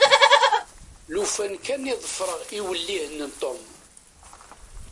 Lufan kan i ḍefreɣ iwellihen n Tom.